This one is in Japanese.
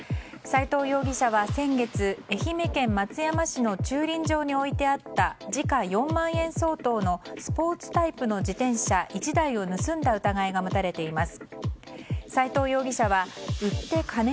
齋藤容疑者は先月愛媛県松山市の駐輪場に置いてあった時価４万円相当のスポーツタイプの自転車１台を盗んだ疑いが持たれています。